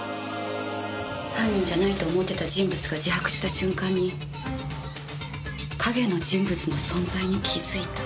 犯人じゃないと思ってた人物が自白した瞬間に「陰の人物」の存在に気づいた。